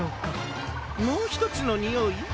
もうひとつのにおい？